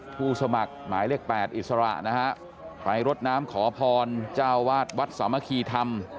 ผู้สมัครหมายเลข๘อิสระนะฮะไปรดน้ำขอพรเจ้าวาดวัดสามัคคีธรรม